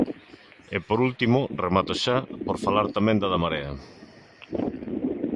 E por último, remato xa, por falar tamén da da Marea.